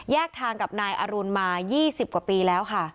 ทางกับนายอรุณมา๒๐กว่าปีแล้วค่ะ